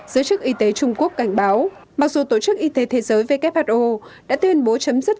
giới chức y tế trung quốc cảnh báo mặc dù tổ chức y tế thế giới who đã tuyên bố chấm dứt